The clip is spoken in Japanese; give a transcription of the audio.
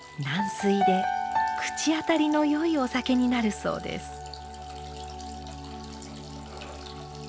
軟水で口当たりのよいお酒になるそうです。